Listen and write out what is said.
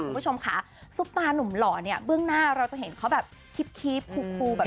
คุณผู้ชมค่ะซุปตานุ่มหล่อเนี่ยเบื้องหน้าเราจะเห็นเขาแบบคีบคูแบบ